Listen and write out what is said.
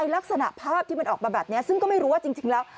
ลักษณะภาพที่มันออกมาแบบนี้ซึ่งก็ไม่รู้ว่าจริงแล้ว